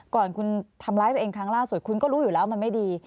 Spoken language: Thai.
ก่อนคุณทำร้ายตัวเองครั้งล่าสุดคุณก็รู้อยู่แล้วมันไม่ดี